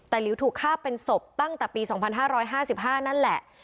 แต่หลิวถูกฆ่าเป็นศพตั้งแต่ปี๒๕๕๕นั่นแหละ